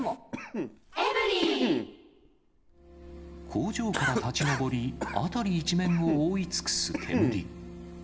工場から立ち上り、辺り一面を覆い尽くす煙。